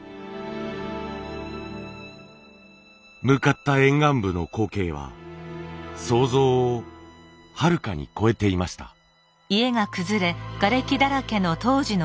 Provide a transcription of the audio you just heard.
向かった沿岸部の光景は想像をはるかに超えていました。